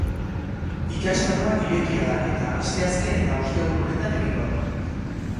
Ikastaroa irekia da eta asteazken eta ostegun honetan egingo da.